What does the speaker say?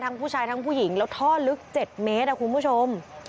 ทั้งผู้ชายทั้งผู้หญิงแล้วท่อลึกเจ็ดเมตรอ่ะคุณผู้ชม